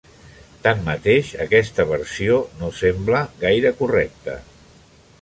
Tanmateix, aquesta versió no sembla gaire correcta.